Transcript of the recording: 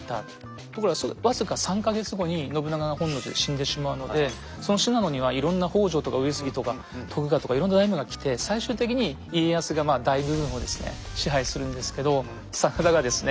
ところが僅か３か月後に信長が本能寺で死んでしまうのでその信濃にはいろんな北条とか上杉とか徳川とかいろんな大名が来て最終的に家康が大部分を支配するんですけど真田がですね